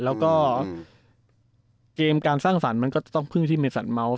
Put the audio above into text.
แล้วก็เกมการสร้างสรรค์มันก็จะต้องพึ่งที่เมสันเมาส์